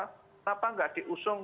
kenapa enggak diusung